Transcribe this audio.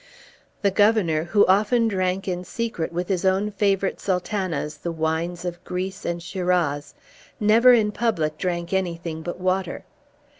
The Governor, who often drank in secret with his own favorite Sultanas the wines of Greece and Shiraz, never in public drank anything but water.